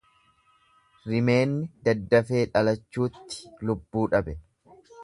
Rimeenni daddafee dhalachuutti lubbuu dhabe.